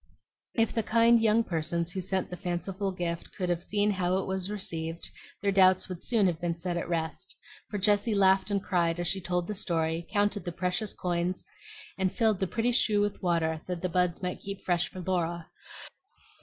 If the kind young persons who sent the fanciful gift could have seen how it was received, their doubts would soon have been set at rest; for Jessie laughed and cried as she told the story, counted the precious coins, and filled the pretty shoe with water that the buds might keep fresh for Laura.